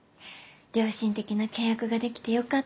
良心的な契約ができてよかったって。